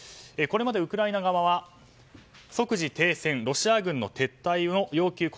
これまでウクライナ側は即時停戦ロシア軍の撤退の要求